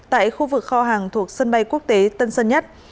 tại khu vực kho hàng thuộc sân bay quốc tế tân sơn nhất